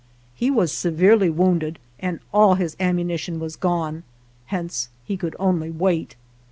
He was severely wounded and all his ammunition was gone, hence he could only wait.